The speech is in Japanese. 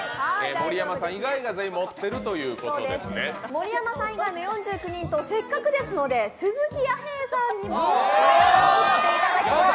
盛山さん以外の４９人とせっかくですので鈴木弥平さんにも振っていただきましょう。